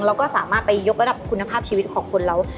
เราก็สามารถไปยกระดับคุณภาพชีวิตของคนเรา